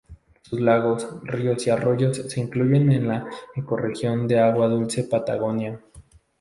Sus lagos, ríos y arroyos se incluyen en la ecorregión de agua dulce Patagonia.